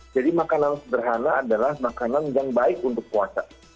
jadi makanan sederhana adalah makanan yang baik untuk puasa